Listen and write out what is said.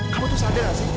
kamu tuh sadar azi